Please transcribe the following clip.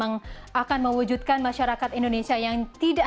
untuk membangun sebuah aplikasi e dua c dan entah apa